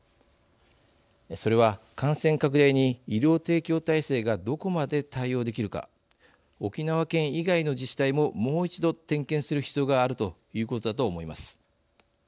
それは感染拡大に医療提供体制がどこまで対応できるか沖縄県以外の自治体ももう一度点検する必要があるということだと思います。